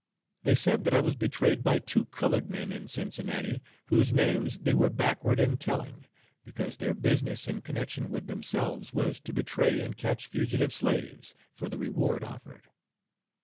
They said that I was betrayed by two colored men in Cincinnati, whose names they were backward in telling, because their business in connection with themselves was to betray and catch fugitive slaves for the reward offered.